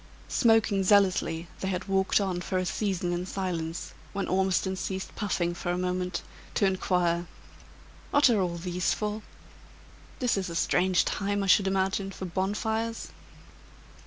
Smoking zealously they had walked on for a season in silence, when Ormiston ceased puffing for a moment, to inquire: "What are all these for? This is a strange time, I should imagine, for bonfires."